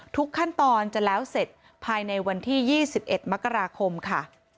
ทุกขั้นตอนจะแล้วเสร็จภายในวันที่๒๑มกราคมค่ะ